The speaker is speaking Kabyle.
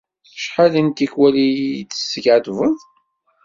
Acḥal n tikwal i yi-d-teskaddbeḍ?